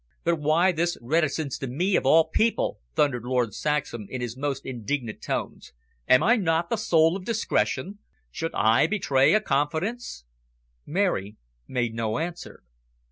"But why this reticence to me, of all people?" thundered Lord Saxham, in his most indignant tones. "Am I not the soul of discretion? Should I betray a confidence?" Mary made no answer.